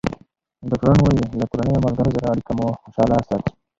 ډاکټران وايي له کورنۍ او ملګرو سره اړیکه مو خوشحاله ساتي.